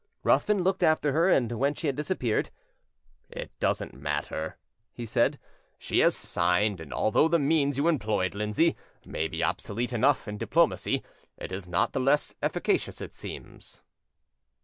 Ruthven looked after her, and when she had disappeared, "It doesn't matter," he said; "she has signed, and although the means you employed, Lindsay, may be obsolete enough in diplomacy, it is not the less efficacious, it seems."